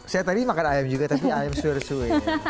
saya tadi makan ayam juga tapi ayam suer suer